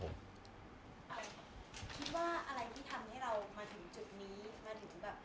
ภาร์บิ๊กษ์คิดว่าอะไรที่ทำให้เรามาถึงจุดนี้